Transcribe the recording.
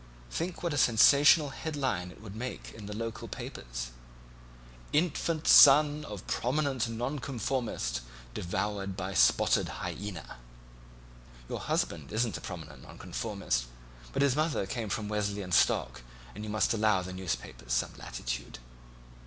Think what a sensational headline it would make in the local papers: 'Infant son of prominent Nonconformist devoured by spotted hyaena.' Your husband isn't a prominent Nonconformist, but his mother came of Wesleyan stock, and you must allow the newspapers some latitude."